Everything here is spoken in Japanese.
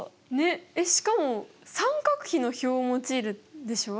えっしかも三角比の表を用いるんでしょ。